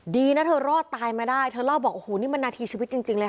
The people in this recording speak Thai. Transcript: ดีนะเธอรอดตายมาได้เธอเล่าบอกโอ้โหนี่มันนาทีชีวิตจริงเลยค่ะ